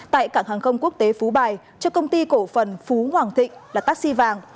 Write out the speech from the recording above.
tại cảng hàng không quốc tế phú bài cho công ty cổ phần phú hoàng thịnh là taxi vàng